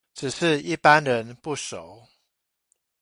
只是一般人不熟